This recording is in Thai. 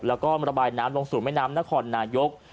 แล้วก็ระบายน้ำลงสู่แม่น้ำนครนายก